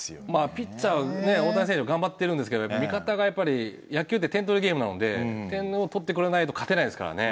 ピッチャー大谷選手頑張ってるんですけど味方がやっぱり野球って点取りゲームなので点を取ってくれないと勝てないですからね。